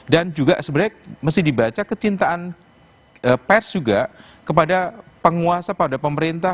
dan juga sebenarnya mesti dibaca kecintaan pers juga kepada penguasa kepada pemerintah